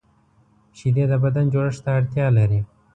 شیدې د بدن جوړښت ته اړتیا لري